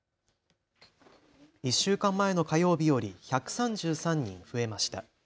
１週間前の火曜日より１３３人増えました。